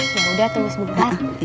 ya udah terus bekas